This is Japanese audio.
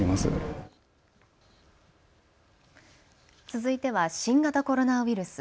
続いては新型コロナウイルス。